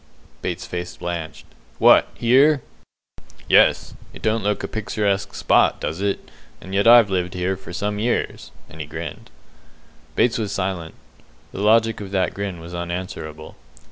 Bates's face blanched. "What, here?" "Yes. It don't look a picturesque spot, does it? And yet I've lived here for some years"; and he grinned. Bates was silent. The logic of that grin was unanswerable.